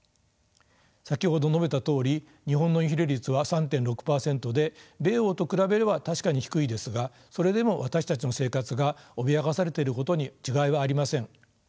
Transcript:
先ほど述べたとおり日本のインフレ率は３．６％で米欧と比べれば確かに低いですがそれでも私たちの生活が脅かされていることに違いはありません。